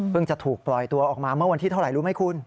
จะถูกปล่อยตัวออกมาเมื่อวันที่เท่าไหร่รู้ไหมคุณ